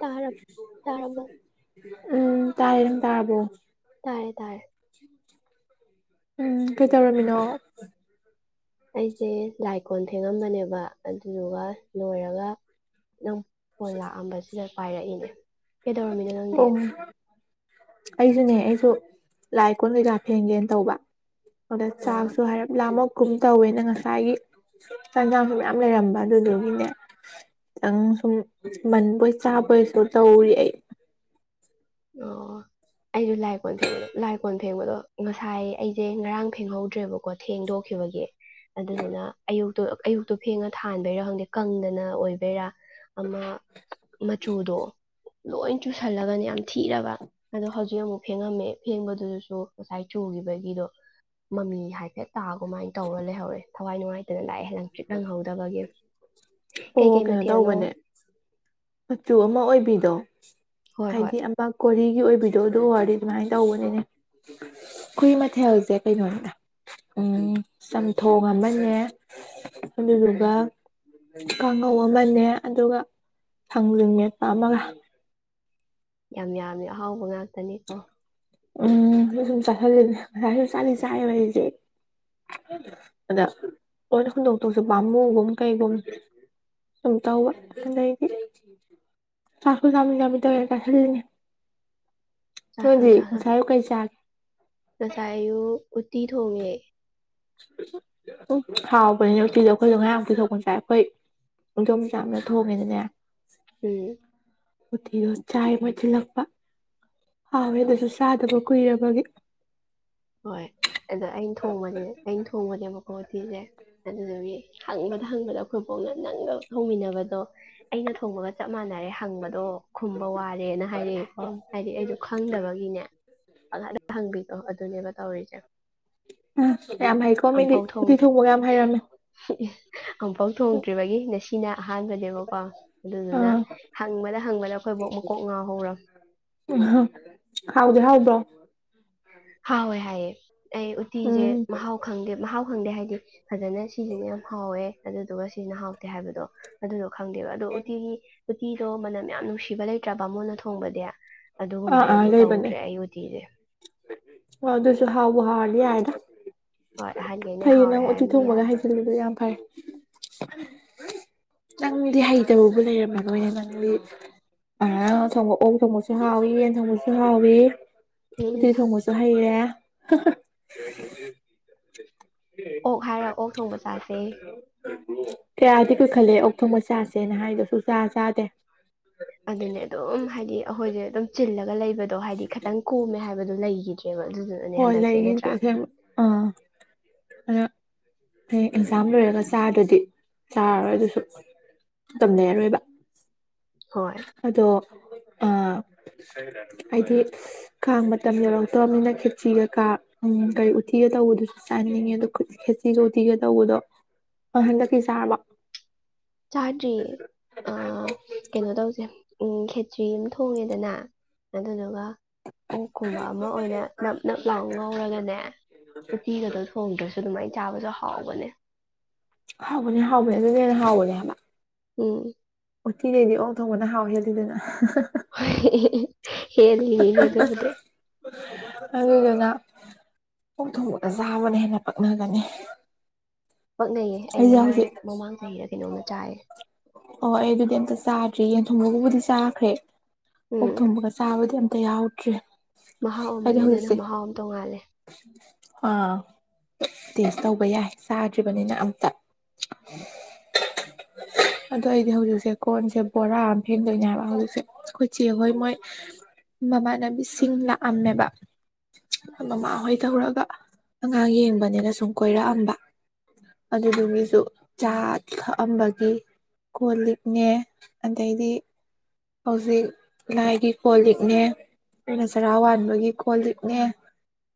ꯇꯥꯔꯞ ꯇꯥꯔꯕꯣ ꯎꯝ ꯇꯥꯏ ꯇꯥꯕꯣ ꯇꯥꯔꯦ ꯇꯔ ꯎꯝ ꯀꯩ ꯇꯧꯔꯝꯃꯤꯅꯣ ꯑꯩꯁꯦ ꯂꯥꯏꯀꯣꯟ ꯊꯦꯡꯉꯝꯕꯅꯦꯕ ꯑꯗꯨꯗꯨꯒ ꯂꯣꯏꯔꯒ ꯅꯪ ꯐꯣꯟ ꯂꯥꯛꯑꯝꯕꯁꯤꯗ ꯄꯥꯏꯔꯛꯏꯅꯦ ꯀꯩꯗꯧꯔꯝꯃꯤꯅꯣ ꯅꯪꯗꯤ ꯑꯣ ꯑꯩꯁꯨꯅꯦ ꯑꯩꯁꯨ ꯂꯥꯏ ꯀꯣꯟ ꯀꯩ ꯂꯥ ꯐꯦꯡꯒꯦꯅ ꯇꯧꯕ ꯑꯣ ꯆꯥꯛꯁꯨ ꯍꯥꯏꯔ ꯂ ꯑꯃ ꯀꯨꯝ ꯇꯧꯋꯦꯅ ꯉꯁꯥꯏꯒꯤ ꯆꯟꯖꯥꯡꯁꯨ ꯃꯌꯥꯝ ꯂꯩꯔꯝꯕ ꯑꯗꯨꯗꯨꯒꯤꯅꯦ ꯈꯤꯇꯪ ꯁꯨꯝ ꯃꯟꯕꯣꯏ ꯆꯥꯕꯣꯏꯁꯨ ꯇꯧꯔꯤ ꯑꯩ ꯑꯣ ꯑꯩꯁꯨ ꯂꯥꯏ ꯀꯣꯟ ꯐꯦꯡꯕꯗꯣ ꯂꯥꯏ ꯀꯣꯟ ꯐꯦꯡꯕꯗꯣ ꯉꯁꯥꯏ ꯑꯩꯁꯦ ꯉꯔꯥꯡ ꯐꯦꯡꯍꯧꯗ꯭ꯔꯦꯕꯀꯣ ꯊꯦꯡꯗꯣꯛꯈꯤꯕꯒꯤ ꯑꯗꯨꯗꯨꯅ ꯑꯌꯨꯛꯇꯣ ꯑꯌꯨꯛꯇꯣ ꯐꯦꯡꯉ ꯊꯥꯟꯕꯩꯔꯣ ꯈꯪꯗꯦ ꯀꯪꯗꯅ ꯑꯣꯏꯕ ꯀ ꯑꯃ ꯃꯆꯨꯗꯣ ꯂꯣꯏ ꯆꯨꯁꯜꯂꯒꯅꯤ ꯌꯥꯝ ꯊꯤꯔꯕ ꯑꯗꯣ ꯍꯧꯖꯤꯛ ꯑꯃꯨꯛ ꯐꯦꯡꯉꯝꯃꯦ ꯐꯦꯡꯕꯗꯨꯗꯁꯨ ꯉꯁꯥꯏ ꯆꯨꯈꯤꯕꯒꯤꯗꯣ ꯃꯃꯤ ꯍꯥꯏꯐꯦꯠ ꯇꯥ ꯀꯃꯥꯏꯅ ꯇꯧꯔ ꯂꯩꯍꯧꯔꯦ ꯊꯋꯥꯏ ꯅꯨꯡꯉꯥꯏꯇꯅ ꯂꯥꯛꯑꯦ ꯂꯪ ꯆ꯭ꯔꯤꯠ ꯂꯪꯍꯧꯗꯕꯒꯤ ꯑꯣ ꯀꯩꯀꯩ ꯀꯩꯅꯣ ꯃꯊꯦꯜꯅꯣ ꯇꯧꯕꯅꯦ ꯃꯆꯨ ꯑꯃ ꯑꯣꯏꯕꯤꯗꯣ ꯍꯣꯏ ꯍꯣꯏ ꯍꯥꯏꯗꯤ ꯑꯃ ꯀꯣꯔꯤ ꯒꯤ ꯑꯣꯏꯕꯤꯗꯣ ꯑꯗꯨ ꯑꯣꯏꯔꯗꯤ ꯑꯗꯨꯃꯥꯏꯅ ꯇꯧꯕꯅꯤꯅꯦ ꯈꯏ ꯃꯊꯦꯜꯁꯦ ꯀꯩꯅꯣꯅꯦ ꯆꯝꯊꯣꯡ ꯑꯃꯅꯦ ꯑꯗꯨꯗꯨꯒ ꯀꯥꯡꯉꯧ ꯑꯃꯅꯦ ꯑꯗꯨꯒ ꯊꯪꯖꯤꯡ ꯃ ꯄꯥꯝꯃꯒ ꯌꯥꯝ ꯌꯥꯝꯃꯤ ꯑꯍꯥꯎꯕ ꯉꯥꯛꯇꯅꯤꯀꯣ ꯎꯝ ꯁꯨꯝ ꯆꯥꯥꯁꯜꯂꯤꯅꯦ ꯉꯁꯥꯏꯁꯨ ꯆꯥꯂꯤ ꯆꯥꯏꯑꯕ ꯑꯩꯁꯦ ꯑꯗ ꯂꯣꯏꯅ ꯍꯨꯟꯗꯣꯛꯇꯣꯛꯁꯨ ꯄꯥꯝꯃꯨꯒꯨꯝ ꯀꯩꯒꯨꯝ ꯁꯨꯝ ꯇꯧꯕ ꯑꯗꯩꯗꯤ ꯆꯥꯛ ꯆꯥꯃꯤ ꯆꯥꯝꯃꯤ ꯇꯧꯋꯦ ꯆꯥꯥꯁꯜꯂꯤꯅꯦ ꯆꯣ ꯆ ꯉꯁꯥꯏꯨ ꯀꯩ ꯆꯥꯛꯦ ꯎ ꯎꯆ ꯎꯆꯤꯠ ꯍꯣꯡꯋꯦ ꯎ ꯍꯥꯎꯕꯅꯤꯅ ꯎꯇꯤꯗꯣ ꯑꯩꯈꯣꯏꯗ ꯉꯌꯥꯝ ꯄꯨꯊꯣꯛꯄ ꯆꯥꯏ ꯑꯩꯈꯣꯏ ꯌꯗꯣꯝꯆꯥꯥꯅ ꯊꯣꯡꯉꯦꯗꯅꯦ ꯎꯝ ꯎꯣꯇꯤꯗꯣ ꯆꯥꯏ ꯃꯣꯏꯠꯁꯤꯜꯂꯛꯄ ꯍꯥꯎꯋꯦ ꯑꯗꯨꯁꯨ ꯆꯥꯗꯕ ꯀꯨꯏꯔꯕꯒꯤ ꯍꯣꯏ ꯑꯗ ꯑꯩꯅ ꯊꯣꯡꯕꯁꯦ ꯑꯩꯅ ꯊꯣꯡꯒꯅꯦꯕꯀꯣ ꯦ ꯑꯗꯨꯁꯨꯔꯤ ꯍꯪꯕꯗ ꯍꯪꯕꯗ ꯑꯩꯈꯣꯏ ꯄꯣꯛꯅ ꯅꯪꯒ ꯊꯣꯡꯃꯤꯟꯅꯕꯗꯣ ꯑꯩꯅ ꯊꯣꯡꯕꯒ ꯆ ꯆꯞ ꯃꯥꯟꯅꯔꯦ ꯍꯪꯕꯗꯣ ꯈꯨꯝꯕ ꯋꯥꯔꯦꯅ ꯍꯥꯏꯔꯛꯑꯀꯣ ꯍꯥꯏꯗꯤ ꯑꯩꯗꯣ ꯈꯪꯗꯕꯒꯤꯅꯦ ꯉ ꯍꯪꯕꯤꯔꯣ ꯎꯝ ꯌꯥꯝ ꯍꯩꯀꯣ ꯃꯤꯗꯤ ꯎꯇꯤ ꯊꯣꯡꯕꯒ ꯌꯥꯝ ꯍꯩꯔꯝꯃꯦ ꯐꯐꯧ ꯊꯣꯡꯗ꯭ꯔꯤꯕ ꯑꯁꯤꯅ ꯑꯍꯥꯟꯕꯅꯦꯕꯀꯣ ꯑꯗꯨꯗꯨꯅ ꯑꯥ ꯍꯪꯕꯗ ꯍꯪꯕꯗ ꯑꯩꯈꯣꯏꯕꯨꯣꯛ ꯃꯀꯣꯛ ꯉꯥꯎꯍꯧꯔ ꯍ ꯍꯥꯥꯎ ꯍꯣꯏ ꯍꯥꯏꯦ ꯑꯩ ꯎꯇꯤꯁꯦ ꯎꯝ ꯃꯍꯥꯎ ꯈꯪꯗꯦ ꯃꯍꯥꯎ ꯈꯪꯗꯦ ꯍꯥꯏꯗꯤ ꯐꯖꯅ ꯁꯤꯁꯤꯅ ꯌꯥꯝ ꯍꯥꯎꯋꯦ ꯑꯗꯨꯗꯨꯒ ꯁꯤꯅ ꯍꯥꯎꯇꯦ ꯍꯥꯏꯕꯗꯣ ꯑꯗꯨꯗꯣ ꯈꯪꯗꯦꯕ ꯑꯗꯣ ꯎꯇꯤꯒꯤ ꯎꯨꯇꯤꯗꯣ ꯃꯅꯝ ꯌꯥꯝ ꯅꯨꯡꯁꯤꯕ ꯂꯩꯇ꯭ꯔꯕ ꯃꯣꯟꯅ ꯊꯣꯡꯕꯗꯤ ꯑꯥ ꯑꯗꯨꯒꯃꯥꯏꯅꯗꯤ ꯇꯧꯗ꯭ꯔꯦ ꯑꯩ ꯎꯇꯤꯤꯁꯦ ꯑꯣ ꯑꯗꯨꯁꯨ ꯍꯥꯎꯕꯕꯨ ꯍꯥꯥꯎꯗꯤ ꯍꯥꯏꯗ ꯍꯣꯏ ꯑꯍꯟꯈꯩꯅ ꯐꯩꯌꯦ ꯍꯥꯎꯔꯦ ꯅꯪ ꯎꯇꯤ ꯍꯥꯏꯔꯕꯅꯤꯅ ꯌꯥꯔꯦ ꯊꯣꯡꯕꯒ ꯍꯥꯏꯖꯤꯜꯂꯦꯗ ꯌꯥꯝ ꯐꯔꯦ ꯅꯪꯗꯤ ꯍꯩꯇꯔꯨꯕꯨ ꯂꯩꯔꯝꯃꯗꯣꯏꯅꯦ ꯅꯪꯗꯤ ꯑꯉꯥꯡꯣꯡꯕ ꯑꯣ ꯊꯣꯡꯕꯁꯨ ꯍꯥꯎꯋ ꯌꯦ ꯊꯁꯤ ꯍꯥꯎꯋ ꯎꯝ ꯎꯗꯤꯤ ꯊꯣꯡꯕꯁꯨ ꯍꯩꯔꯦ [inaudible] ꯑꯣꯛ ꯍꯥꯏꯔ ꯑꯣꯛ ꯊꯣꯡꯕ ꯆꯥꯁꯦ ꯀꯌꯥꯗꯤ ꯀꯨꯏꯈꯜꯂꯦ ꯑꯣꯛ ꯊꯣꯡꯕ ꯆꯥꯁꯦꯅ ꯍꯥꯏꯗꯣ ꯁꯨꯡꯆꯥꯥ ꯆꯥꯗꯦ ꯑꯗꯨꯅꯦ ꯑꯗꯨꯝ ꯍꯥꯏꯗꯤ ꯑꯩꯈꯣꯏꯁꯦ ꯑꯗꯨꯝ ꯂꯒ ꯂꯩꯕ ꯑꯗꯣ ꯍꯥꯏꯗꯤ ꯈꯤꯇꯪ ꯈꯨꯝꯃꯦ ꯍꯥꯏ ꯂꯩꯈꯤꯗ꯭ꯔ ꯍ ꯂꯩꯒ ꯀꯁ ꯑ ꯑꯗ ꯍꯌꯦ ꯑꯦꯛꯖꯥꯝ ꯂꯣꯏꯔꯒ ꯆꯥꯔꯗꯨꯗꯤ ꯆꯥꯔꯔꯣꯏ ꯑꯗꯨꯁꯨ ꯇꯝꯅꯩꯔꯔꯣꯏꯕ ꯍꯣꯏ ꯑꯗꯣ ꯑ ꯍꯥꯏꯗꯤ ꯀꯥꯡ ꯃꯇꯝ ꯌꯧꯔꯛꯇꯅꯤꯅ ꯈꯦꯆꯤꯒ ꯀꯥ ꯎ ꯀꯔꯤ ꯎꯇꯤꯒ ꯇꯧꯕꯗꯨꯁꯨ ꯆꯥꯅꯤꯡꯉꯦ ꯑ ꯈꯦꯆꯗ ꯎꯠꯇꯤꯒ ꯇꯧꯕꯗꯣ ꯍꯟꯗꯛꯀꯤ ꯆꯥꯕ ꯆꯥꯇꯔꯤ ꯑ ꯀꯩꯅꯣ ꯇꯧꯁꯦ ꯎꯝ ꯆꯔꯤ ꯑꯃ ꯊꯣꯡꯉꯦꯗꯅ ꯑꯗꯨꯗꯨꯒ ꯑꯣꯛꯀꯨꯝꯕ ꯑꯃ ꯑꯣꯏꯅ ꯅꯞ ꯅꯞ ꯂꯥꯎ ꯉꯧꯔꯒꯅꯦ ꯎꯇꯤꯒꯗꯣ ꯊꯣꯡꯗ꯭ꯔꯁꯨ ꯑꯗꯨꯃꯥꯏꯅ ꯆꯥꯕꯁꯨ ꯍꯥꯎꯕꯅꯦ ꯍꯕꯅꯦ ꯍꯥꯎꯕꯅꯦ ꯑꯗꯨ ꯍꯕ [inaudible] ꯎꯝ ꯎꯠꯇꯤꯗꯩꯗꯤ ꯑꯣꯛ ꯊꯣꯡꯕꯅ ꯍꯥꯎ ꯍꯦꯜꯂꯤꯗꯅ ꯍ ꯍꯦ ꯍꯒꯦ ꯑꯗꯨꯕꯨꯗꯤꯦ ꯑꯗꯨꯗꯨꯅ ꯄꯣꯛ ꯊꯣꯡꯕꯒ ꯆꯥꯕꯅ ꯍꯦꯟꯅ ꯄꯛꯅꯒꯅꯤ ꯄꯛꯅꯩꯌꯦ ꯑꯩ ꯑꯩꯁꯦ ꯃꯃꯥꯡ ꯍꯧꯖꯤꯛ ꯃꯃꯥꯡ ꯆꯍꯤꯗ ꯀꯩꯅꯣꯝꯃ ꯆꯥꯏꯌꯦ ꯔꯤ ꯌꯦꯡꯊꯣꯡꯕꯒꯕꯨꯗꯤ ꯆꯥꯈ꯭ꯔꯦ ꯍ ꯎꯝ ꯊꯒꯁꯕꯗꯤ ꯇ ꯌꯥꯎꯗ꯭ꯔꯦ ꯃꯍꯥꯎ ꯑꯃꯅꯦ ꯑꯗꯨꯅ ꯃꯍꯥꯎ ꯑꯃ ꯇꯣꯡꯉꯥꯜꯂꯦ ꯑꯥ ꯇꯦꯁ ꯇꯧꯕ ꯌꯥꯏ ꯆꯥꯗ꯭ꯔꯤ ꯅꯤꯅ ꯑꯝꯇ ꯑꯗꯨꯗ ꯑꯩꯗꯤ ꯍꯧꯖꯤꯛꯁꯦ ꯀꯣꯟꯁꯦ ꯕꯣꯔꯥ ꯑꯃ ꯐꯦꯟꯗꯣꯏꯅꯦ ꯍꯥꯏꯕ ꯍꯧꯖꯤꯛꯁꯦ ꯑꯩꯈꯣꯏꯆꯦ ꯍꯣꯏ ꯃꯣꯏ ꯃꯃꯥꯟꯅꯕꯤꯁꯤꯡ ꯂꯥꯛꯑꯝꯃꯦꯕ ꯃꯃꯥꯍꯣꯏ ꯇꯧꯔꯒ ꯑꯉꯥꯡ ꯌꯦꯡꯕꯅꯤꯅ ꯁꯨꯝ ꯀꯣꯏꯔꯛꯑꯝꯕ ꯑꯗꯨꯗꯨꯒꯤꯁꯨ ꯆꯥ ꯊꯛꯑꯝꯕꯒꯤ ꯀꯣ ꯂꯤꯛꯅꯦ ꯑꯗꯩꯗꯤ ꯍꯧꯖꯤꯛ ꯂꯥꯏꯒꯤ ꯀꯣꯜ ꯂꯤꯛꯅꯦ ꯑꯩꯩꯅ ꯆꯔꯥ ꯋꯥꯕꯒꯤ ꯀꯣꯜ ꯂꯤꯛꯅꯦ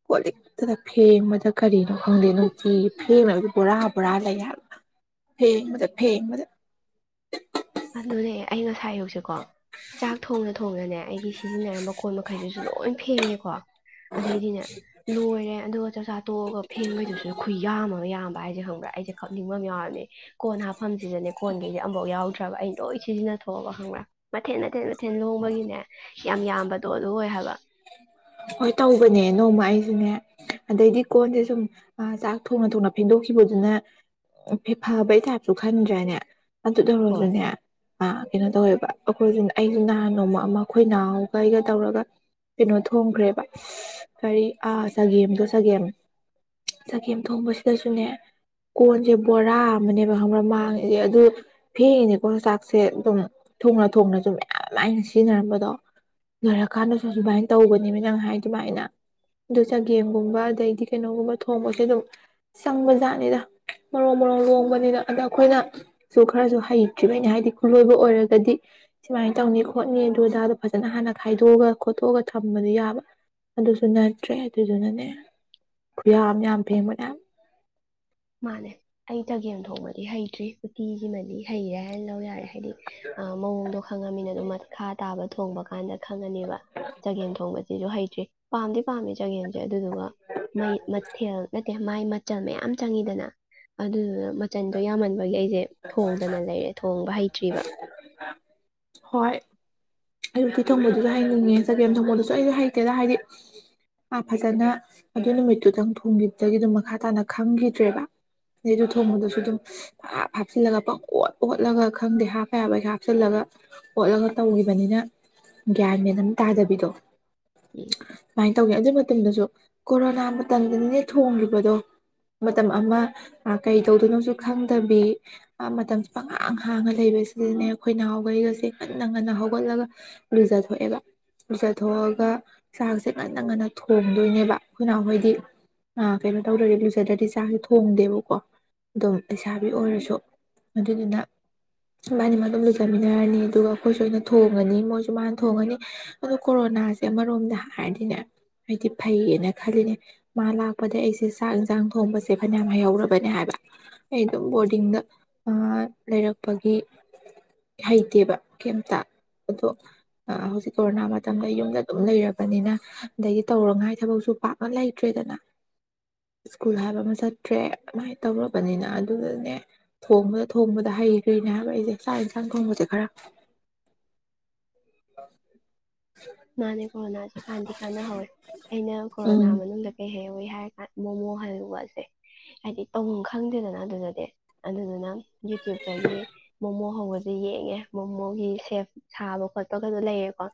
ꯀꯣꯜ ꯂꯤꯛꯇꯗ ꯐꯦꯡꯕꯗ ꯀꯔꯤꯅꯣ ꯈꯪꯗꯦꯅꯣ ꯐꯗꯤ ꯄꯨꯔꯥ ꯄꯨꯔꯥ ꯂꯩꯌꯥ ꯐꯦꯡꯕꯗ ꯐꯦꯡꯕꯗ ꯑꯗꯨꯅꯦ ꯑꯩ ꯉꯁꯥꯏ ꯌꯧꯁꯦꯀꯣ ꯆꯥꯛ ꯊꯣꯡꯅ ꯊꯣꯡꯅꯅꯦ ꯑꯩꯒꯤ ꯁꯤꯖꯤꯟꯅꯔꯝꯕ ꯑꯀꯣꯟ ꯃꯈꯩꯗꯨꯁꯨ ꯂꯣꯏ ꯐꯦꯡꯉꯦꯀꯣ ꯑꯗꯩꯗꯤꯅꯦ ꯂꯣꯏꯔꯦ ꯑꯗꯨꯒ ꯆꯥꯛꯆꯥꯥ ꯇꯣꯛꯑꯒ ꯐꯦꯡꯕꯩꯗꯨꯁꯨ ꯈꯨ ꯌꯥꯝꯃꯒ ꯌꯥꯝꯃ ꯄꯥ ꯍꯥꯏꯁꯦ ꯈꯪꯕ꯭ꯔꯥ ꯑꯩꯁꯦ ꯈꯛꯅꯤꯡꯕ ꯑꯃ ꯌꯥꯎꯔꯅꯦ ꯀꯣꯟ ꯍꯥꯞꯐꯝꯁꯤꯗꯅꯦ ꯀꯣꯟꯈꯩꯗꯤ ꯑꯃꯨꯐꯥꯎ ꯌꯥꯎꯗ꯭ꯔꯦ ꯕ ꯑꯩ ꯂꯣꯏ ꯁꯤꯖꯤꯟꯅꯊꯣꯛꯑꯕ ꯈꯪꯕ꯭ꯔꯥ ꯃꯊꯦꯟ ꯃꯊꯦꯟ ꯃꯊꯦꯟ ꯂꯍꯣꯡꯕꯒꯤꯅꯦ ꯌꯥꯝ ꯌꯥꯝꯕꯗꯣ ꯑꯗꯨ ꯑꯣꯏ ꯍꯥꯏꯕ ꯍꯣꯏ ꯇꯧꯕꯅꯦ ꯅꯣꯡꯃ ꯑꯩꯁꯤꯅꯦ ꯑꯗꯩꯗꯤ ꯀꯣꯟꯁꯦ ꯁꯨꯝ ꯆꯥꯛ ꯊꯣꯡꯅ ꯊꯣꯡꯅ ꯐꯦꯡꯗꯣꯛꯈꯤꯕꯗꯨꯅ ꯐꯕꯩ ꯇꯥꯏꯞꯁꯨ ꯈꯟꯗ꯭ꯔꯦꯅꯦ ꯑꯗꯨ ꯍꯣꯏ ꯇꯧꯔꯁꯨꯅꯦ ꯑ ꯀꯩꯅꯣ ꯇꯧꯋꯦꯕ ꯑꯩꯈꯣꯏꯁꯨ ꯑꯩꯁꯨ ꯅꯍꯥꯟ ꯅꯣꯡꯃ ꯑꯃ ꯑꯩꯈꯣꯏ ꯅꯍꯒꯩꯒ ꯇꯧꯔꯒ ꯀꯩꯅꯣ ꯊꯣꯡꯈ꯭ꯔꯦꯕ ꯀꯔꯤ ꯆꯒꯦꯝꯗꯣ ꯆꯒꯦꯝ ꯆꯒꯦꯝ ꯊꯣꯡꯕꯁꯤꯗꯁꯨꯅꯦ ꯀꯣꯟꯁꯦ ꯕꯣꯔꯥ ꯑꯃꯅꯦꯕ ꯈꯪꯕ꯭ꯔ ꯃꯥꯡꯉꯤꯁꯦ ꯑꯗꯨ ꯐꯦꯡꯉꯦꯅꯦꯀꯣ ꯆꯥꯛꯁꯦ ꯑꯗꯨꯝ ꯊꯣꯡꯅ ꯊꯣꯡꯅꯁꯨ ꯃꯌꯥꯝ ꯂꯥꯏꯅ ꯁꯤꯖꯤꯟꯅꯔꯝꯕꯗꯣ ꯂꯩꯣꯏꯔ ꯀꯥꯟꯗꯁꯨ ꯁꯨꯃꯥꯏꯅ ꯇꯧꯕꯅꯤꯃꯤ ꯅꯪ ꯍꯥꯏ ꯑꯗꯨꯃꯥꯏꯅ ꯑꯗꯨ ꯆꯒꯦꯝꯒꯨꯝꯕ ꯑꯗꯩꯗꯤ ꯀꯩꯅꯣꯒꯨꯝꯕ ꯊꯣꯡꯕꯁꯦ ꯑꯗꯨꯝ ꯆꯪꯕ ꯖꯥꯠꯅꯤꯗ ꯃꯔꯣꯡ ꯃꯔꯣꯡ ꯂꯣꯡꯕꯅꯤꯅ ꯑꯗ ꯑꯩꯈꯣꯏꯅꯁꯨ ꯈꯔꯁꯨ ꯍꯩꯇ꯭ꯔꯤꯕꯅꯤ ꯍꯥꯏꯗꯤ ꯈꯨꯂꯣꯏꯕ ꯑꯣꯏꯔꯒꯗꯤ ꯁꯨꯃꯥꯏꯅ ꯇꯧꯅꯤ ꯈꯣꯠꯅꯤ ꯑꯗꯨ ꯑꯗꯥꯗꯣ ꯐꯖꯅ ꯍꯥꯟꯅ ꯈꯥꯏꯗꯣꯛꯑꯒ ꯈꯣꯠꯇꯣꯛꯑꯒ ꯊꯝꯕꯗꯤ ꯌꯥꯕ ꯑꯗꯨꯁꯨ ꯅꯠꯇ꯭ꯔꯦ ꯑꯗꯨꯗꯨꯅꯅꯦ ꯈꯨꯌꯥ ꯑꯃ ꯌꯥꯝ ꯐꯦꯡꯕꯅꯦ ꯃꯥꯅꯦ ꯑꯩ ꯆꯒꯦꯝ ꯊꯣꯡꯕꯗꯤ ꯍꯩꯇ꯭ꯔꯤ ꯎꯇꯤꯁꯤꯃꯗꯤ ꯍꯩꯔꯦ ꯍꯥꯏꯅ ꯂꯧ ꯌꯥꯔꯦ ꯍꯥꯏꯗꯤ ꯑ ꯃꯑꯣꯡꯗꯣ ꯈꯪꯉꯃꯤꯅ ꯑꯗꯨꯣ ꯃꯈꯥ ꯇꯥꯕꯗ ꯊꯣꯡꯕ ꯀꯥꯟꯗ ꯈꯪꯉꯅꯦꯕ ꯆꯒꯦꯝ ꯊꯣꯡꯕꯁꯤꯁꯨ ꯍꯩ ꯄꯗꯤ ꯄꯥꯕꯤ ꯆꯖꯒ ꯑꯗꯨꯗꯨꯒ ꯃꯊꯦꯜ ꯅꯠꯇꯦ ꯃꯥꯏ ꯃꯆꯜ ꯃꯌꯥꯝ ꯆꯪꯉꯤꯗꯅ ꯑꯗꯨꯗꯨꯅ ꯃꯆꯟꯗꯣ ꯌꯥꯝꯃꯟꯕꯒꯤ ꯑꯩꯁꯦ ꯊꯣꯡꯗꯅ ꯂꯩꯔꯦ ꯊꯣꯡꯕ ꯍꯩꯇ꯭ꯔꯤꯕ ꯍꯣꯏ ꯑꯌꯨꯛꯀꯤ ꯊꯣꯡꯕꯜꯗꯨꯁꯨ ꯍꯌꯦꯡ ꯌꯦꯡꯖꯒꯦ ꯊꯣꯡꯒꯜꯗꯨꯁꯨ ꯑꯩꯁꯨ ꯍꯩꯇꯦꯗ ꯍꯥꯏꯗꯤ ꯐꯖꯅ ꯑꯗꯨ ꯅꯨꯃꯤꯠꯇꯨꯗꯪ ꯊꯣꯡꯈꯤꯕꯗꯒꯤ ꯑꯗꯨꯝ ꯃꯈꯥ ꯇꯥꯅ ꯈꯪꯈꯤꯗ꯭ꯔꯦꯕ ꯑꯗꯩꯗꯨ ꯊꯣꯡꯕꯗꯨꯁꯨ ꯑꯗꯨꯝ ꯍꯥꯞ ꯍꯥꯞꯆꯤꯜꯂꯒ ꯄꯪ ꯑꯣꯠ ꯑꯣꯠꯂꯒ ꯈꯪꯗꯦ ꯍꯥꯞꯄ ꯌꯥꯕꯩꯁ ꯍꯥꯞꯆꯤꯜꯂꯒ ꯑꯣꯠꯂꯒ ꯇꯧꯈꯤꯕꯅꯤꯅ ꯒ꯭ꯌꯥꯟ ꯃꯦꯟ ꯑꯃꯇ ꯇꯥꯗꯕꯤꯗꯣ ꯎꯝ ꯁꯨꯃꯥꯏꯅ ꯇꯧꯒꯦ ꯑꯗꯨ ꯃꯇꯝꯗꯁꯨ ꯀꯣꯔꯣꯅꯥ ꯃꯇꯝꯗꯅꯤꯅꯦ ꯊꯣꯡꯂꯤꯨꯕꯗꯣ ꯃꯇꯝ ꯑꯃ ꯀꯩ ꯇꯧꯗꯣꯏꯅꯣꯁꯨ ꯈꯪꯗꯕꯤ ꯃꯇꯝꯁ ꯄꯪꯉꯥꯡ ꯍꯥꯡꯉ ꯂꯩꯕꯁꯤꯗꯅꯦ ꯑꯩꯈꯣꯏ ꯅꯍꯥꯟꯈꯩꯒꯁꯦ ꯉꯟꯅ ꯉꯟꯅ ꯍꯧꯒꯠꯂꯒ ꯂꯨꯖꯊꯣꯛꯑꯩꯕ ꯂꯨꯖꯊꯣꯛꯑꯒꯥ ꯆꯥꯛꯁꯦ ꯉꯥꯟꯅ- ꯉꯥꯟꯅ ꯊꯣꯡꯗꯨꯅꯤꯕ ꯑꯈꯣꯏ ꯅꯥꯏ ꯍꯣꯏꯗꯤ ꯑꯥ ꯀꯅꯪ ꯇꯧꯗꯔꯗꯤ ꯂꯨꯖꯗꯔꯗꯤ ꯊꯣꯡꯗꯕꯀꯣ ꯂꯩꯩꯁꯥꯕꯤ ꯑꯣꯏꯔꯁꯨ ꯑꯗꯨꯗꯨꯅ ꯏꯕꯥꯅꯤꯃ ꯑꯗꯨꯝ ꯂꯨꯖꯃꯤꯟꯅꯔꯅꯤ ꯑꯗꯨꯒ ꯑꯩꯈꯣꯏꯁꯨ ꯑꯅ ꯊꯣꯡ ꯊꯣꯡꯉꯅꯤ ꯃꯣꯏꯁꯨ ꯃꯥꯅ ꯊꯣꯡꯉꯅꯤ ꯑꯗꯨ ꯀꯣꯔꯣꯅꯥꯁꯦ ꯑꯃꯔꯣꯝꯗ ꯍꯥꯏꯔꯗꯤꯅꯦ ꯍꯥꯏꯗꯤ ꯐꯩꯌꯦꯅ ꯈꯜꯂꯤꯅꯦ ꯃꯥ ꯂꯥꯛꯄꯗ ꯑꯩꯁꯦ ꯆꯥꯛ ꯌꯦꯟꯁꯥꯡ ꯊꯣꯡꯕꯁꯦ ꯐꯅꯌꯥꯝ ꯍꯩꯍꯧꯔꯕꯅꯦ ꯍꯥꯏꯕ ꯑꯩ ꯑꯗꯨꯝ ꯕꯣꯔꯗꯤꯡꯗ ꯂꯩꯔꯛꯄꯒꯤ ꯍꯩꯇꯦꯕ ꯀꯩꯝꯇ ꯑꯗꯣ ꯍꯧꯖꯤꯛ ꯀꯣꯔꯣꯅꯥ ꯃꯇꯝꯗ ꯌꯨꯝꯗ ꯑꯗꯨꯝ ꯂꯩꯔꯕꯅꯤꯅ ꯑꯗꯒꯤ ꯇꯧꯔꯉꯥꯏ ꯊꯕꯛꯁꯨ ꯄꯥꯛꯅ ꯂꯩꯇ꯭ꯔꯦꯗꯅ ꯁ꯭ꯀꯨꯜ ꯍꯥꯏꯕ ꯑꯃ ꯆꯠꯇ꯭ꯔꯦ ꯑꯗꯨꯃꯥꯏꯅ ꯇꯧꯔꯕꯅꯤꯅ ꯑꯗꯨꯗꯅꯦ ꯊꯣꯡꯕꯗ ꯊꯣꯡꯕꯗ ꯍꯩꯈ꯭ꯔꯤꯅꯦ ꯍꯥꯏꯕ ꯑꯩꯁꯦ ꯆꯥꯛ ꯌꯦꯟꯁꯥꯡ ꯊꯣꯡꯕꯁꯦ ꯈꯔ [unintelligible] ꯃꯥꯅꯦ ꯀꯣꯔꯣꯅꯥꯁꯦ ꯀꯥꯟꯅꯗꯤ ꯀꯥꯟꯅꯍꯧꯋꯦ ꯑꯩꯅ ꯎꯝ ꯀꯣꯔꯣꯅꯥ ꯃꯅꯨꯡꯗ ꯀꯩꯍꯩꯧꯋꯤ ꯍꯥꯏꯔ ꯃꯣꯃꯣ ꯍꯥꯏꯜꯂꯨꯕꯁꯦ ꯍꯥꯏꯗꯤ ꯇꯧꯐꯝ ꯈꯪꯗꯦꯗꯅ ꯑꯗꯨꯗꯗꯤ ꯑꯗꯨꯗꯨꯅ ꯌꯨꯇ꯭ꯌꯨꯕ ꯒꯤ ꯃꯣꯃꯣ ꯍꯣꯡꯧꯕꯁꯨ ꯌꯦꯡꯉꯦ ꯃꯣꯃꯣꯒꯤ ꯁꯦꯞ ꯁꯥꯕ ꯈꯣꯠꯄꯒꯩꯁꯨ ꯂꯩꯔꯦꯀꯣ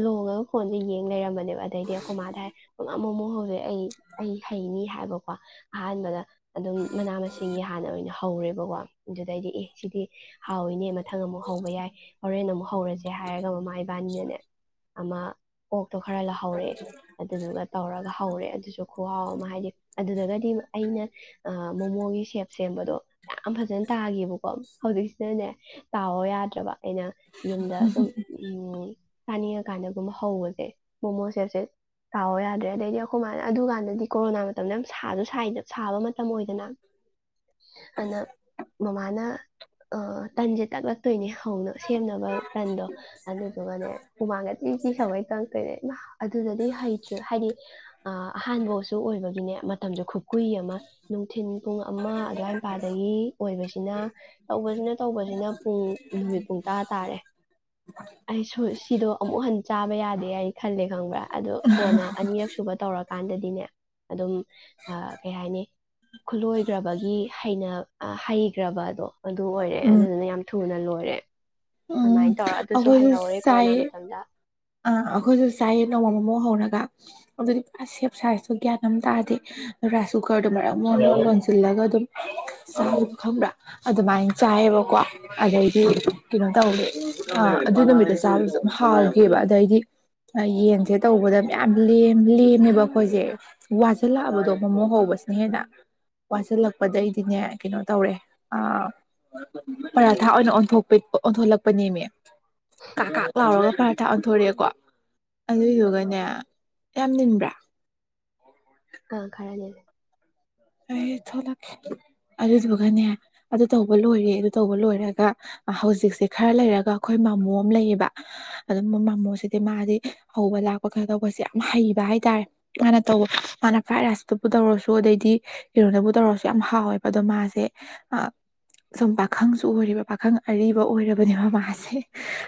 ꯂꯣꯡꯉꯒ ꯐꯣꯟꯁꯦ ꯌꯦꯡ ꯂꯩꯔꯝꯕꯅꯦꯕ ꯑꯗꯩꯗꯤ ꯑꯩꯈꯣꯏ ꯃꯥꯗ ꯍꯥꯏ ꯄꯨꯡ ꯑꯃ ꯑꯃꯨꯛ ꯍꯧꯖꯤꯛ ꯑꯩ ꯑꯩ ꯍꯩꯅꯤ ꯍꯥꯏꯕꯀꯣ ꯑꯍꯥꯟꯕꯗ ꯑꯗꯨꯝ ꯃꯅꯥ ꯃꯁꯤꯡꯒꯤ ꯍꯥꯟꯅ ꯑꯣꯏꯅ ꯍꯧꯔꯦꯕꯀꯣ ꯑꯗꯨꯗꯩꯗꯤ ꯑꯦ ꯁꯤꯗꯤ ꯍꯥꯎꯋꯤꯅꯦ ꯃꯊꯪ ꯑꯃꯨꯛ ꯍꯧꯕ ꯌꯥꯏ ꯍꯣꯔꯦꯟ ꯑꯃꯨꯛ ꯍꯧꯔꯁꯦ ꯍꯥꯏꯔꯒ ꯃꯃꯥ ꯏꯕꯥꯅꯤꯅꯅꯦ ꯑ ꯑꯣ ꯑꯗꯨꯣ ꯈꯔ ꯂꯧꯍꯧꯔꯑꯦ ꯑꯗꯨꯗꯨꯒ ꯇꯧꯔꯒ ꯍꯧꯔꯦ ꯑꯗꯨꯁꯨ ꯈꯨꯍꯥꯎ ꯑꯃ ꯍꯥꯏꯗꯤ ꯑꯗꯨꯗꯒꯗꯤ ꯑꯩꯅ ꯃꯣꯃꯣꯒꯤ ꯁꯦꯞ ꯁꯦꯝꯕꯗꯣ ꯌꯥꯝ ꯐꯖꯅ ꯇꯥꯒꯦꯕꯀꯣ ꯀꯝ ꯍꯧꯁꯤꯅꯦ ꯇꯥꯛꯑꯣ ꯌꯥꯗ꯭ꯔꯕ ꯑꯩꯅ ꯌꯨꯝꯗ ꯁꯨꯝ ꯆꯥꯅꯤꯡꯉꯀꯥꯟꯗꯒꯨꯝꯕ ꯍꯧꯕꯁꯦ ꯃꯣꯃꯣ ꯁꯦꯠꯁꯦ ꯇꯥꯎꯑꯣ ꯌꯥꯗ꯭ꯔꯦ ꯑꯗꯩꯗꯤ ꯑꯩꯈꯣꯏꯃꯥꯏꯅ ꯑꯗꯨꯀꯥꯟꯗꯗꯤ ꯀꯣꯔꯣꯅꯥ ꯃꯇꯝꯗ ꯌꯥꯝ ꯁꯥꯁꯨ ꯁꯥꯕ ꯃꯇꯝ ꯑꯣꯏꯗꯅ ꯑꯅ ꯃꯃꯥꯅ ꯑ ꯇꯟꯖꯦ ꯇꯥꯛꯂ ꯇꯣꯏꯅꯦ ꯁꯦꯝꯅꯕ ꯇꯟꯗꯣ ꯑꯗꯨꯗꯨꯒꯅꯦ ꯍꯨꯃꯥꯡꯒꯗꯤ ꯁꯤ ꯁꯋꯥꯩ ꯀꯪꯛꯇꯣꯏꯅꯦ ꯏꯃꯥ ꯑꯗꯨꯗꯗꯤ ꯍꯩꯇ꯭ꯔꯤ ꯍꯥꯏꯗꯤ ꯑ ꯑꯍꯥꯟꯕꯁꯨ ꯑꯣꯏꯕꯒꯤꯅꯦ ꯃꯇꯝꯁꯨ ꯈꯨ ꯀꯨꯏ ꯑꯃ ꯅꯨꯡꯊꯤꯤꯟ ꯄꯨꯡ ꯑꯃ ꯑꯗꯨꯋꯥꯏ ꯃꯄꯥꯗꯒꯤ ꯑꯣꯏꯕꯁꯤꯅ ꯇꯧꯕꯁꯤꯅ ꯇꯧꯕꯁꯤꯅ ꯄꯨꯡ ꯅꯨꯃꯤꯠ ꯄꯨꯡ ꯇꯔꯥ ꯇꯥꯔꯦ ꯑꯩ ꯁꯣꯏꯁ ꯁꯤꯗꯣ ꯑꯃꯨꯛ ꯍꯟꯅ ꯆꯥꯕ ꯌꯥꯗꯦ ꯍꯥꯏ ꯈꯜꯂꯦ ꯈꯪꯕ꯭ꯔꯥ ꯑꯗꯣ ꯀꯣꯟꯅ ꯑꯅꯤꯔꯛ ꯁꯨꯕ ꯇꯧꯔꯀꯥꯟꯗꯗꯤꯅꯦ ꯑꯗꯨꯝ ꯀꯩ ꯍꯥꯏꯅꯤ ꯈꯨꯠꯂꯣꯏꯈ꯭ꯔꯕꯒꯤ ꯍꯩꯅ ꯍꯩꯈ꯭ꯔꯕ ꯑꯗꯣ ꯑꯗꯨ ꯑꯣꯏꯔꯦ ꯑꯗꯨꯗꯨꯅ ꯌꯥꯝ ꯊ ꯊꯨꯅ ꯂꯣꯏꯔꯦ ꯎꯝ ꯑꯗꯨꯃꯥꯏꯅ ꯇꯧꯔ ꯑꯗꯨꯁꯨ ꯑꯩꯈꯣꯏꯁꯨ ꯍꯩꯍꯧꯔꯦ ꯆꯥꯏ ꯀꯣꯔꯣꯅꯥ ꯃꯇꯝꯗ ꯑꯥ ꯑꯩꯈꯣꯏꯁꯨ ꯆꯥꯏꯌꯦ ꯅꯣꯡꯃꯃꯃꯨꯛ ꯍꯧꯔꯒ ꯑꯗꯨꯗꯤ ꯄꯨꯔꯥ ꯁꯦꯞ ꯁꯥꯏꯖꯇꯣ ꯒ꯭ꯌꯥꯟ ꯑꯃꯝ ꯇꯥꯔꯗꯦ ꯔꯥꯏꯁ ꯀꯨꯀꯔꯗꯨꯣ ꯃꯔꯛ ꯂꯣꯟꯁꯤꯜꯂꯒ ꯑꯗꯨꯝ ꯆꯥ ꯈꯪꯕ꯭ꯔꯥ ꯑꯗꯨꯃꯥꯏꯅ ꯆꯥꯏꯌꯦꯕꯀꯣ ꯑꯗꯩꯗꯤ ꯀꯩꯅꯣ ꯇꯧꯋꯦ ꯑꯥ ꯑꯗꯨ ꯅꯨꯃꯤꯠꯇ ꯆꯥꯕꯁꯨ ꯑꯗꯨꯝ ꯍꯥꯎꯋꯦ ꯕ ꯑꯗꯩꯗꯤ ꯌꯦꯟꯁꯦ ꯇꯧꯕꯗ ꯃꯌꯥꯝ ꯂ ꯂꯦꯝꯃꯦꯕ ꯑꯩꯈꯣꯏꯁꯦ ꯋꯥꯁꯤꯜꯂꯛꯑꯕꯗꯣ ꯃꯣꯃꯣ ꯍꯧꯕꯁꯤꯅ ꯍꯦꯟꯅ ꯋꯥꯁꯤꯜꯂꯛꯄꯗꯩꯗꯤꯅꯦ ꯀꯩꯅꯣ ꯇꯧꯔꯦ ꯄꯔꯥꯊꯥ ꯑꯣꯏꯅ ꯑꯣꯟꯄꯤ ꯑꯣꯟꯊꯣꯛꯂꯛꯄꯅꯦꯃꯦ ꯀ ꯀ ꯊꯥꯛ ꯑꯣꯟꯊꯣꯔꯛꯑꯦꯀꯣ ꯑꯗꯨꯏꯗꯨꯒꯅꯦ ꯌꯥꯝ ꯅꯤꯟꯕ꯭ꯔꯥ ꯑꯥ ꯈꯔꯅꯦꯅꯦ ꯑꯩ ꯊꯣꯛꯂꯛꯀꯦ ꯑꯗꯨꯗꯨꯒꯅꯦ ꯑꯗꯨ ꯇꯧꯕ ꯂꯣꯏꯔꯦ ꯑꯗꯨ ꯇꯧꯕ ꯂꯣꯏꯔꯒ ꯍꯧꯖꯤꯛꯁꯦ ꯈꯔ ꯂꯩꯔꯒ ꯑꯩꯈꯣꯏ ꯃꯣꯃꯣ ꯑꯃ ꯂꯩꯌꯦꯕ ꯑꯗꯨ ꯃꯣꯃꯣꯁꯤꯗꯤ ꯃꯥꯗꯤ ꯍꯧꯕ ꯂꯥꯛꯄ ꯈꯩꯅ ꯇꯧꯕꯁꯦ ꯌꯥꯝ ꯍꯩꯕ ꯍꯥꯏꯇꯥꯔꯦ ꯃꯥꯅ ꯇꯧꯕ ꯃꯥꯅ ꯐ꯭ꯔꯥꯏ ꯔꯥꯏꯁꯇꯨꯕꯨ ꯇꯧꯔꯁꯨ ꯑꯗꯩꯗꯤ ꯀꯔꯣꯅꯕꯨ ꯇꯧꯔꯁꯨ ꯌꯥꯝ ꯍꯥꯎꯋꯦꯕ ꯑꯗꯣ ꯃꯥꯁꯦ ꯁꯨꯝ ꯄꯥꯈꯪꯁꯨ ꯑꯣꯏꯔꯤꯕ ꯄꯥꯈꯪ ꯑꯔꯤꯕ ꯑꯣꯏꯔꯕꯅꯦꯕ ꯃꯥꯁꯦ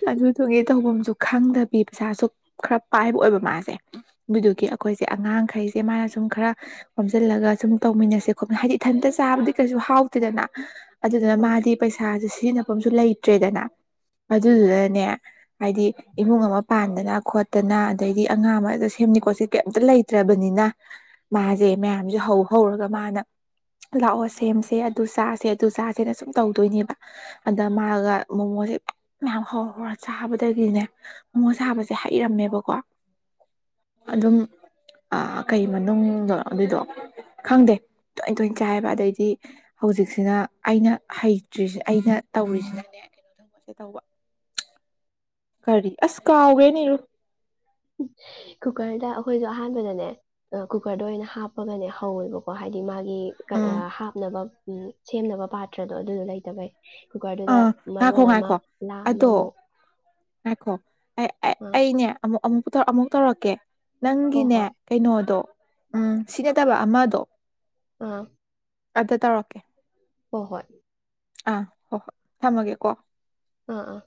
ꯑꯗꯨ ꯇꯒ ꯇꯧꯧꯕꯝꯁꯨ ꯈꯪꯗꯕꯤ ꯄꯩꯁꯥꯁꯨ ꯈꯔ ꯄꯥꯏꯕ ꯑꯣꯏꯕ ꯃꯥꯁꯦ ꯑꯗꯨꯗꯨꯒꯤ ꯑꯩꯈꯣꯏꯁꯦ ꯑꯉꯥꯡꯈꯩꯁꯦ ꯃꯥꯅ ꯁꯨꯝ ꯈꯔ ꯋꯥꯝꯁꯤꯜꯂꯒ ꯁꯨꯝ ꯇꯧꯃꯤꯟꯅꯁꯦ ꯈꯣꯠꯃꯤ ꯍꯥꯏꯗꯤ ꯏꯊꯟꯇ ꯆꯥꯕꯗꯤ ꯀꯩꯁꯨ ꯍꯥꯎꯇꯦꯗꯅ ꯑꯗꯨꯗꯨꯅ ꯍꯣꯏ ꯃꯥꯗꯤ ꯄꯩꯁꯥꯁꯦ ꯁꯤꯖꯤꯟꯅ ꯁꯣꯝꯁꯨ ꯂꯩꯇ꯭ꯔꯦꯗꯅ ꯑꯗꯨꯗꯨꯅꯅꯦ ꯍꯥꯏꯗꯤ ꯏꯃꯨꯡ ꯑꯃ ꯄꯥꯟꯗꯅ ꯈꯣꯠꯇꯅ ꯑꯗꯩꯗꯤ ꯑꯉꯥꯡ ꯑꯃꯗ ꯁꯦꯝꯅꯤ ꯈꯣꯠꯁꯤ ꯀꯩꯝꯇ ꯂꯩꯇ꯭ꯔꯕꯅꯤꯅ ꯃꯥꯁꯦ ꯃꯌꯥꯝꯁꯦ ꯍꯧ ꯍꯧꯔꯒ ꯃꯥꯅ ꯂꯥꯛꯑꯣ ꯁꯦꯝꯁꯦ ꯑꯗꯨ ꯆꯥꯁꯦ ꯑꯗꯨ ꯆꯥꯁꯦꯅ ꯁꯨꯝ ꯇꯧꯗꯣꯏꯅꯦꯕ ꯑꯗ ꯃꯥꯒ ꯃꯣꯃꯣꯁꯦ ꯃꯌꯥꯝ ꯍꯧꯔ ꯍꯧꯔ ꯆꯥꯕꯗꯒꯤꯅꯦ ꯃꯣꯃꯣ ꯁꯥꯕꯁꯦ ꯍꯩꯔꯝꯃꯦꯕꯀꯣ ꯑꯗꯨꯝ ꯀꯩ ꯃꯅꯨꯡꯗꯗꯣ ꯑꯗꯨꯏꯗꯣ ꯈꯪꯗꯦ ꯇꯣꯏ ꯇꯣꯏꯅ ꯆꯥꯏꯕ ꯑꯗꯩꯗꯤ ꯍꯧꯖꯤꯛꯁꯤꯅ ꯑꯩꯅ ꯍꯩꯇ꯭ꯔꯤꯁꯤ ꯑꯩꯅ ꯇꯧꯔꯤꯁꯤꯅꯅꯦ ꯀꯩꯅꯣ ꯊꯪꯕꯁꯦ ꯇꯧꯕ ꯀꯔꯤ ꯑꯁ ꯀꯥꯥꯎꯒꯦꯔꯨꯅ ꯀꯨꯀꯔꯗ ꯑꯩꯈꯣꯏꯁꯨ ꯑꯍꯥꯟꯕꯗꯅꯦ ꯀꯨꯀꯔꯗ ꯑꯣꯏꯅ ꯍꯥꯞꯄꯒꯅꯦ ꯍꯧꯋꯦꯕꯀꯣ ꯍꯥꯏꯗꯤ ꯃꯥ ꯒꯤ ꯎꯝ ꯍꯥꯞꯅꯕ ꯎꯝ ꯁꯦꯝꯅꯕ ꯄꯥꯇ꯭ꯔꯗꯣ ꯑꯗꯨꯗꯣ ꯂꯩꯇꯕꯩ ꯀꯨꯀꯔꯗꯨꯗ ꯑꯥ ꯉꯥꯏꯈꯣ ꯃꯔꯣꯟ ꯑꯃ ꯉꯥꯏꯈꯣ ꯂꯥ ꯑꯗꯣ ꯑꯃꯃꯨꯛ ꯉꯥꯏꯈꯣ ꯑꯥ ꯑꯩꯅꯦ ꯑꯃꯨꯛ ꯑꯃꯨꯛ ꯑꯃꯨꯛ ꯇꯧꯔꯛꯀꯦ ꯍꯣꯏ ꯅꯪꯒꯤꯅꯦ ꯍꯣꯏ ꯀꯩꯅꯣꯗꯣ ꯎꯝ ꯁꯤ ꯅꯠꯇꯕ ꯑꯃꯗꯣ ꯑꯥ ꯑꯗ ꯇꯧꯔꯀꯦ ꯍꯣ ꯍꯣꯏ ꯑꯥ ꯍꯣ ꯍꯣ ꯊꯝꯃꯒꯦ ꯀꯣ ꯑꯥ ꯑꯥ